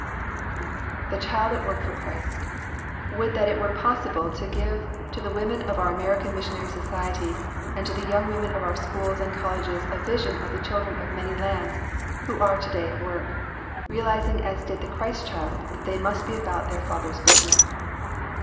] The Child at work for Christ! Would that it were possible to give to the women of our American Missionary Societies and to the young women of our schools and colleges a vision of the children of many lands who are today at work, realizing as did the Christ Child that they must be about their Father's business.